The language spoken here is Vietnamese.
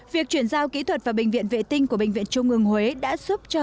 việc chuyển giao kỹ thuật và bệnh viện vệ tinh của bệnh viện trung ương huỳnh đã giúp cho